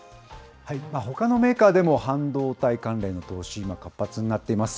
ほかのメーカーでも半導体関連への投資、今、活発になっています。